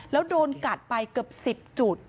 แล้วโดนกัดไปเกือบ๑๐จุด